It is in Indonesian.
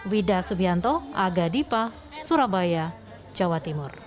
wida subianto aga dipa surabaya jawa timur